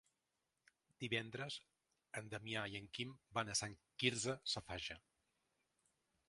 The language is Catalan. Divendres en Damià i en Quim van a Sant Quirze Safaja.